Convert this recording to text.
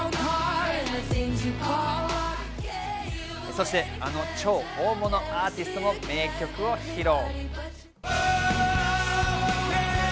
そしてあの超大物アーティストも名曲を披露。